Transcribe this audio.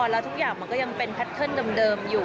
แล้วทุกอย่างมันก็ยังเป็นแพทเทิร์นเดิมอยู่